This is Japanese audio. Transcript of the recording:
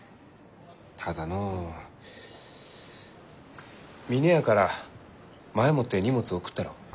ただのう峰屋から前もって荷物を送ったろう？